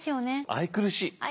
愛くるしい。